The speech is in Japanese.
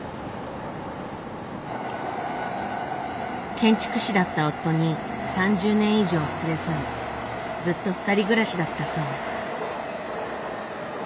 建築士だった夫に３０年以上連れ添いずっと２人暮らしだったそう。